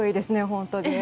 本当に。